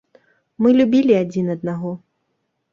Мы любілі адзін аднаго.